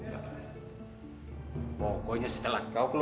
jangan macam macam kamu